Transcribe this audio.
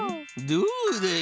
どうだい？